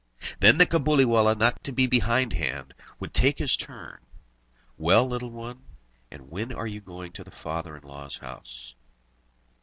Then the Cabuliwallah, not to be behindhand, would take his turn: "Well, little one, and when are you going to the father in law's house?"